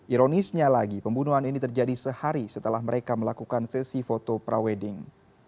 ironisnya lagi pembunuhan ini terjadi sehari setelah mereka melakukan sesi foto pre wedding